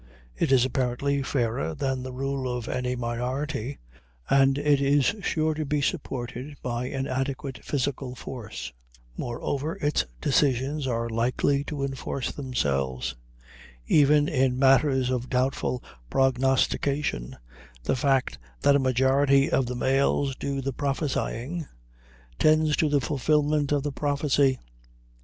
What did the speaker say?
It is apparently fairer than the rule of any minority, and it is sure to be supported by an adequate physical force. Moreover, its decisions are likely to enforce themselves. Even in matters of doubtful prognostication, the fact that a majority of the males do the prophesying tends to the fulfillment of the prophecy.